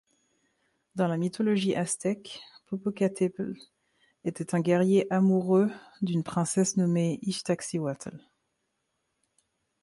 Dans la mythologie aztèque, Popocatepetl était un guerrier amoureux d'une princesse nommée Ixtaccíhuatl.